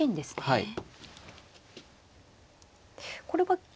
はい。